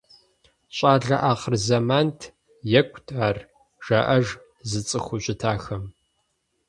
«Щӏалэ ахъырзэмант, екӏут ар», – жаӏэж зыцӏыхуу щытахэм.